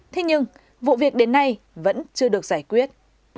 thế nhưng vụ việc đến nay vẫn chưa được giải quyết